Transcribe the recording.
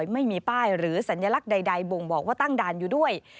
ไม่มีป้ายหรือสัญลักษณ์ใดบ่งบอกว่าตั้งด่านอยู่ด้วย